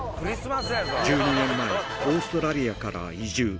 １２年前、オーストラリアから移住。